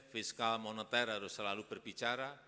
fiskal moneter harus selalu berbicara